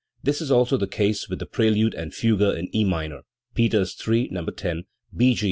This is also the case with the prelude and fugue in E minor (Peters III, No. 10; B, G.